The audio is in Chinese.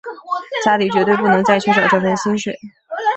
家里绝对不能再缺少这份薪水